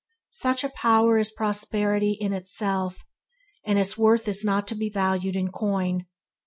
Such a power is prosperity in itself, and its worth is not to be valued in coin.